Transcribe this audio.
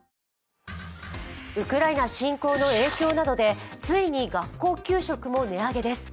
ウクライナ侵攻の影響などでついに学校給食も値上げです。